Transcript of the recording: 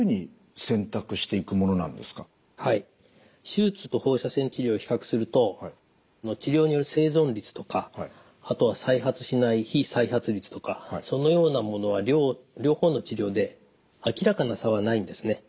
手術と放射線治療を比較すると治療による生存率とかあとは再発しない非再発率とかそのようなものは両方の治療であきらかな差はないんですね。